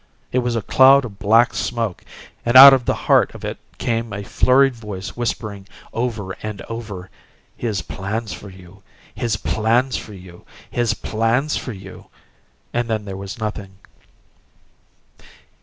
It was a cloud of black smoke, and out of the heart of it came a flurried voice whispering over and over, "His plans for you his plans for you his plans for you " And then there was nothing.